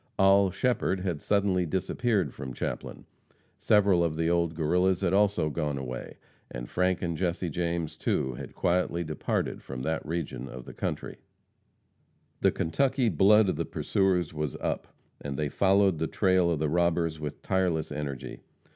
Oll. Shepherd had suddenly disappeared from Chaplin; several of the old Guerrillas had also gone away, and Frank and Jesse James, too, had quietly departed from that region of country. The Kentucky blood of the pursuers was up, and they followed the trail of the robbers with tireless energy.